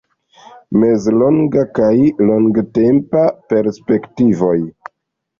Mezlonga kaj longtempa perspektivoj.